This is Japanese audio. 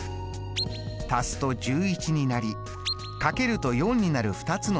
足すと１１になりかけると４になる２つの整数。